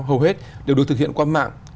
hầu hết đều được thực hiện qua mạng